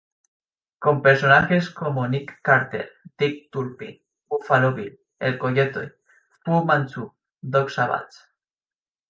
Con personajes como Nick Carter, Dick Turpin, Buffalo Bill, El Coyote, Fu-Manchú, Doc Savage.